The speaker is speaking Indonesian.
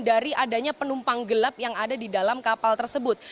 dari adanya penumpang gelap yang ada di dalam kapal tersebut